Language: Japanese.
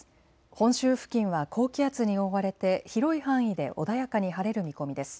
本州付近は高気圧に覆われて広い範囲で穏やかに晴れる見込みです。